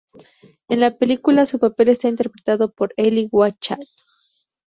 En la película, su papel está interpretado por Eli Wallach.